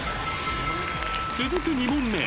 ［続く２問目］